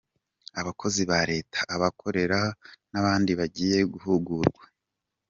Abakozi ba Leta, abakorera n’abandi bagiye guhugurwa.